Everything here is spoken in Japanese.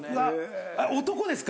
男ですか。